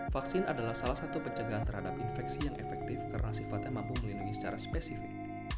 vaksin adalah salah satu pencegahan terhadap infeksi yang efektif karena sifatnya mampu melindungi secara spesifik